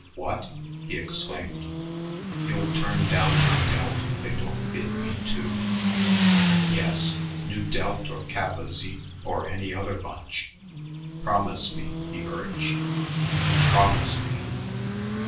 "What!" he exclaimed. "You'll turn down Nu Delt if they don't bid me, too?" "Yes, Nu Delt or Kappa Zete or any other bunch. Promise me," he urged; "promise me."